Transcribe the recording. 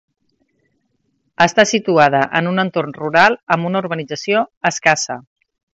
Està situada en un entorn rural amb una urbanització escassa.